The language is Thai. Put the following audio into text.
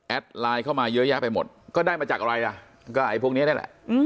ไลน์เข้ามาเยอะแยะไปหมดก็ได้มาจากอะไรล่ะก็ไอ้พวกนี้นี่แหละ